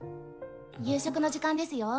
夕食の時間ですよ。